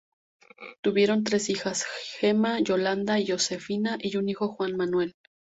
Tuvieron tres hijas, Gemma, Yolanda y Josefina, y un hijo, Juan Manuel.